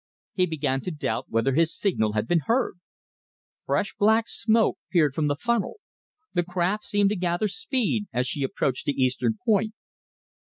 He began to doubt whether his signal had been heard. Fresh black smoke poured from the funnel; the craft seemed to gather speed as she approached the eastern point.